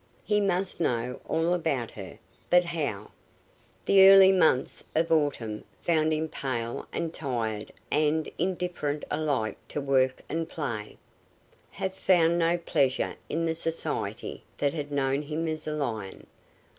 He must know all about her? But how? The early months of autumn found him pale and tired and indifferent alike to work and play. He found no pleasure in the society that had known him as a lion.